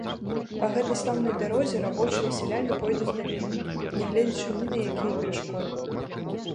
Па гэтай слаўнай дарозе рабочыя і сяляне пойдуць далей, нягледзячы ні на якія перашкоды.